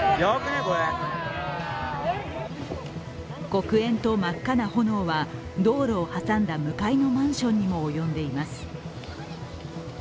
黒煙と真っ赤な炎は道路を挟んだ向かいのマンションにも及んでいます。